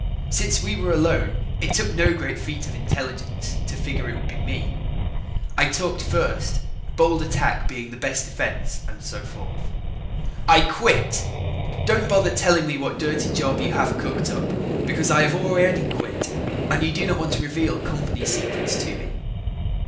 Since we were alone, it took no great feat of intelligence to figure it would be me. I talked first, bold attack being the best defense and so forth. "I quit. Don't bother telling me what dirty job you have cooked up, because I have already quit and you do not want to reveal company secrets to me."